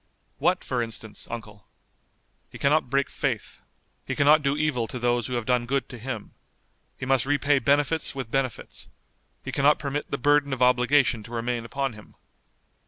"What for instance, Uncle?" "He cannot break faith. He cannot do evil to those who have done good to him. He must repay benefits with benefits. He cannot permit the burden of obligation to remain upon him.